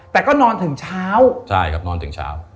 แต่ก็นอนถึงเช้า